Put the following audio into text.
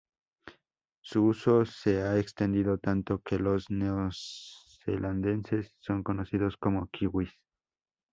Su uso se ha extendido tanto que los neozelandeses son conocidos como "kiwis".